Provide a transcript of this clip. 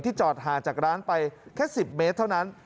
จอดห่างจากร้านไปแค่๑๐เมตรเท่านั้น